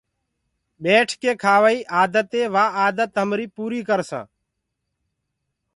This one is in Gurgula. ٻيٺ ڪي کآوائي آدتي وآ آدت همريٚ پوريٚ ڪرسآنٚ۔